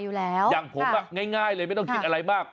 อยู่แล้วอย่างผมอ่ะง่ายเลยไม่ต้องคิดอะไรมาก